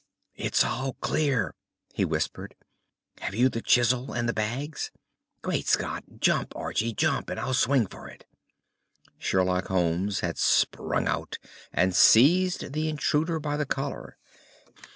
"It's all clear," he whispered. "Have you the chisel and the bags? Great Scott! Jump, Archie, jump, and I'll swing for it!" Sherlock Holmes had sprung out and seized the intruder by the collar.